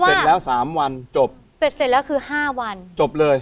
เสร็จแล้วสามวันจบเสร็จแล้วคือห้าวันจบเลย